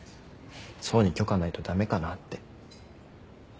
想に許可ないと駄目かなって。